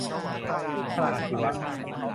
พัฒนาอาชีวะ